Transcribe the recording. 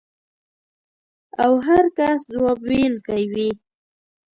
او هر کس ځواب ویونکی وي.